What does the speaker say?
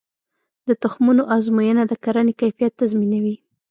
د تخمونو ازموینه د کرنې کیفیت تضمینوي.